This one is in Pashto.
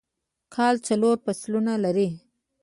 کال څلور فصلونه لري